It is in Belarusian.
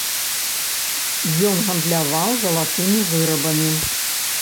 Ён гандляваў залатымі вырабамі.